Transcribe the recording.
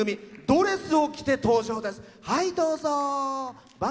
ドレスを着て登場です。